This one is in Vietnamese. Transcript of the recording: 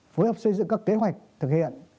phối hợp xây dựng các kế hoạch thực hiện